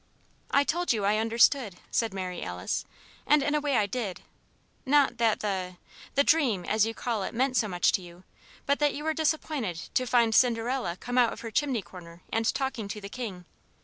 "I told you I understood," said Mary Alice, "and in a way I did not that the the dream as you call it meant so much to you, but that you were disappointed to find Cinderella come out of her chimney corner and talking to the King.